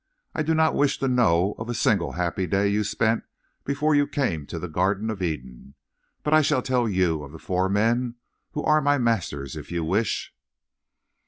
I do not wish to know of a single happy day you spent before you came to the Garden of Eden. But I shall tell you of the four men who are my masters if you wish."